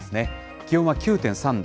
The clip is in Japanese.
気温は９．３度。